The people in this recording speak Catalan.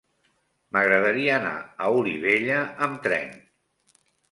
M'agradaria anar a Olivella amb tren.